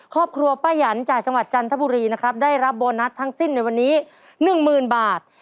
ครอบครัวป้ายันจากจังหวัดจันทบุรีนะครับได้รับโบนัสทั้งสิ้นในวันนี้๑๐๐๐บาท